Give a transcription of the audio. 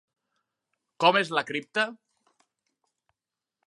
Com és la cripta?